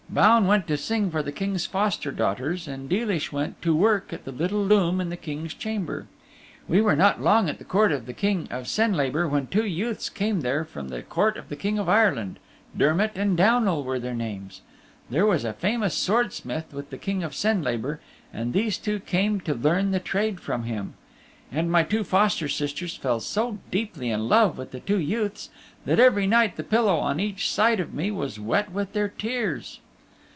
Baun went to sing for the King's foster daughters, and Deelish went to work at the little loom in the King's chamber. We were not long at the court of the King of Senlabor when two youths came there from the court of the King of Ireland Dermott and Downal were their names. There was a famous sword smith with the King of Senlabor and these two came to learn the trade from him. And my two foster sisters fell so deeply in love with the two youths that every night the pillow on each side of me was wet with their tears.